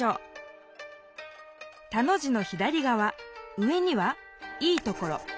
田の字の左がわ上には「いいところ」。